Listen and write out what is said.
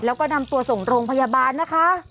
แล้วก็นำตัวส่งโรงพยาบาลนะคะ